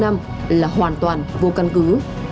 hội nghị trung ương năm là hoàn toàn vô căn cứ